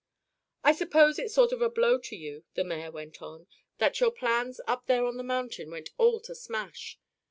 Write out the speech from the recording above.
"I suppose it's sort of a blow to you," the mayor went on, "that your plans up there on the mountain went all to smash.